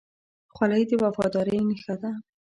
خولۍ د وفادارۍ نښه ده.